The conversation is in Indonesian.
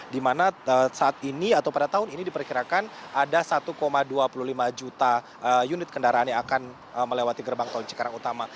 di mana saat ini atau pada tahun ini diperkirakan ada satu dua puluh lima juta unit kendaraan yang akan melewati gerbang tol cikarang utama